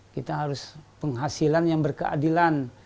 kita harus penghasilan yang berkeadilan